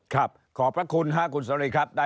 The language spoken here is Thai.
ครับขอบพระคุณฮะคุณสวัสดีครับ